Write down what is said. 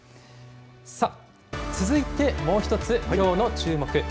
続いてもう一つきょうの注目。